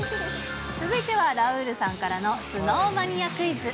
続いては、ラウールさんからのスノーマニアクイズ。